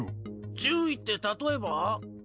注意って例えば？